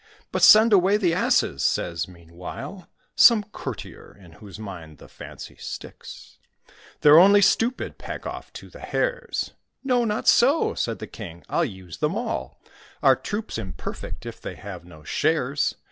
"But send away the Asses," says, meanwhile, Some courtier, in whose mind the fancy sticks; "They're only stupid. Pack off, too, the Hares." "No, not so," said the King; "I'll use them all: Our troop's imperfect, if they have no shares.